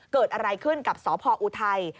เกิดอะไรขึ้นกับสพออุทัย